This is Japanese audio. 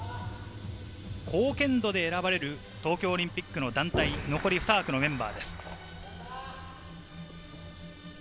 貢献度で選ばれる東京オリンピックの団体、残り２枠のメンバーです。